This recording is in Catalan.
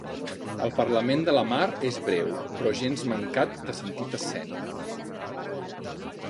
El parlament de la Mar és breu, però gens mancat de sentit escènic.